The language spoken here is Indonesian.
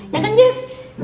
ya kan jess